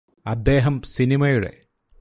അദ്ദേഹം സിനിമയുടെ